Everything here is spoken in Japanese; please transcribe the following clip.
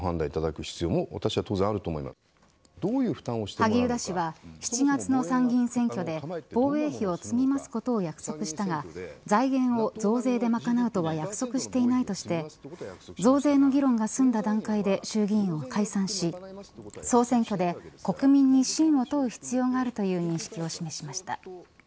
萩生田氏は７月の参議院選挙で防衛費を積み増すことを約束したが財源を増税で賄うとは約束していないとして増税の議論が済んだ段階で衆議院を解散し総選挙で国民に信を問う必要があるという認識を示しました。